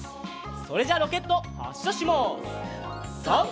それじゃロケットはっしゃします。